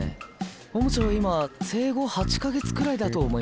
本部長今生後８か月くらいだと思います。